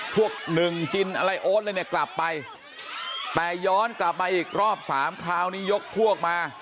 พวกหนึ่งจินอะไรโอ๊ตอะไรเนี่ยกลับไปแต่ย้อนกลับมาอีกรอบสามคราวนี้ยกพวกมา